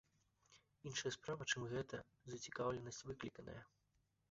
Іншая справа, чым гэта зацікаўленасць выкліканая.